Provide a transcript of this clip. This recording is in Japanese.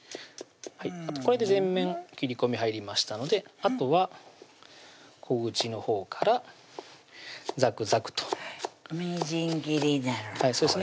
これで全面切り込み入りましたのであとは小口のほうからざくざくとみじん切りになる